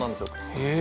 へえ。